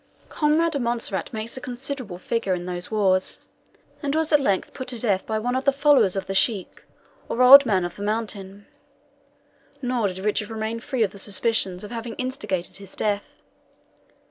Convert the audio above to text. Conrade of Montserrat makes a considerable figure in those wars, and was at length put to death by one of the followers of the Scheik, or Old Man of the Mountain; nor did Richard remain free of the suspicion of having instigated his death.